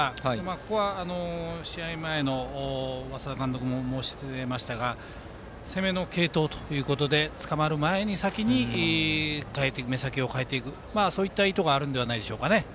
ここは試合前の稙田監督も申していましたが攻めの継投ということでつかまる前に先に代えて目先を変えていくそういった意図があるんじゃないでしょうかね。